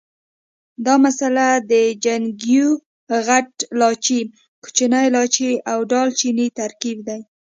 دا مساله د ځڼکیو، غټ لاچي، کوچني لاچي او دال چیني ترکیب دی.